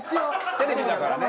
テレビだからね。